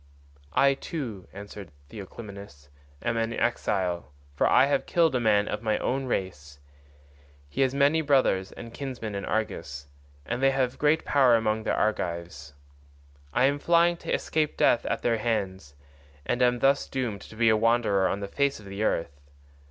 "I too," answered Theoclymenus, "am an exile, for I have killed a man of my own race. He has many brothers and kinsmen in Argos, and they have great power among the Argives. I am flying to escape death at their hands, and am thus doomed to be a wanderer on the face of the earth.